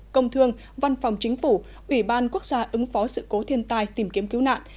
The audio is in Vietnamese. công thương văn phòng chính phủ ủy ban quốc gia ứng phó sự cố thiên tai tìm kiếm cứu nạn